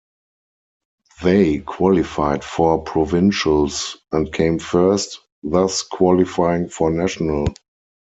They qualified for provincials and came first, thus qualifying for national.